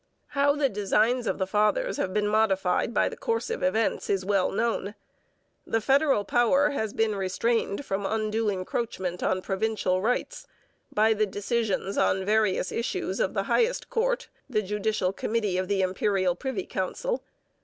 How the designs of the Fathers have been modified by the course of events is well known. The federal power has been restrained from undue encroachment on provincial rights by the decisions, on various issues, of the highest court, the judicial committee of the Imperial Privy Council.